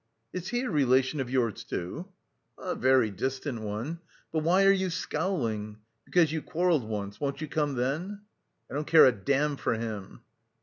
"Is he a relation of yours, too?" "A very distant one. But why are you scowling? Because you quarrelled once, won't you come then?" "I don't care a damn for him."